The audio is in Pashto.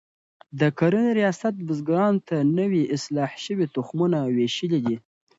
د کرنې ریاست بزګرانو ته نوي اصلاح شوي تخمونه ویشلي دي.